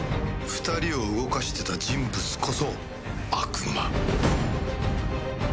２人を動かしてた人物こそ悪魔。